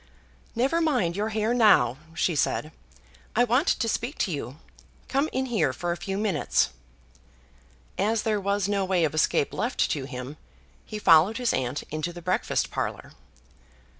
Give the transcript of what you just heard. "Never mind your hair now," she said. "I want to speak to you. Come in here for a few minutes." As there was no way of escape left to him, he followed his aunt into the breakfast parlour.